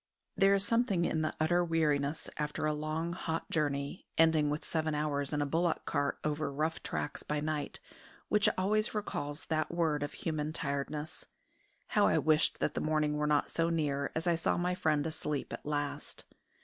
There is something in the utter weariness after a long, hot journey, ending with seven hours in a bullock cart over rough tracks by night, which always recalls that word of human tiredness. How I wished that the morning were not so near as I saw my friend asleep at last!